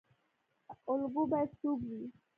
الګو باید څوک وي؟